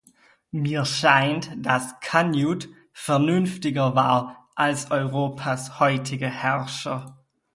Mir scheint, dass Canute vernünftiger war als Europas heutige Herrscher.